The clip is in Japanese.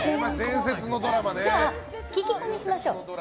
じゃあ、聞き込みしましょう。